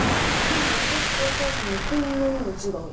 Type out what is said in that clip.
でも私とお母さんでこんなにも違う。